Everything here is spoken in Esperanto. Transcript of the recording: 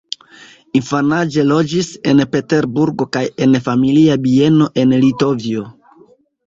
Infanaĝe loĝis en Peterburgo kaj en familia bieno en Litovio.